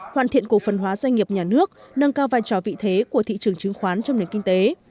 hoàn thiện cổ phần hóa doanh nghiệp nhà nước nâng cao vai trò vị thế của thị trường chứng khoán trong nền kinh tế